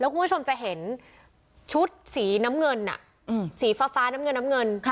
คุณผู้ชมจะเห็นชุดสีน้ำเงินสีฟ้าน้ำเงินน้ำเงิน